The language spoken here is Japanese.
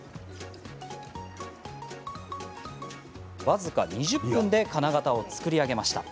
僅か２０分で金型を作り上げました。